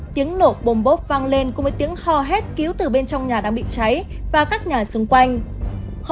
tiếng nổ bồm bốp vang lên cùng với tiếng hò hét cứu từ bên trong nhà đang bị cháy và các nhà xung quanh